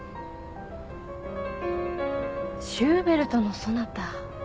シューベルトのソナタ。